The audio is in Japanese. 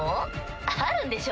あるんでしょ？